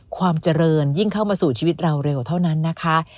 ความเจริญยิ่งเข้ามาสู่ชีวิตเราเร็วเท่านั้นนะคะ